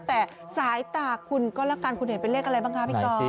แต่สายตาคุณก็แล้วกันคุณเห็นเป็นเลขอะไรบ้างคะพี่ก๊อฟ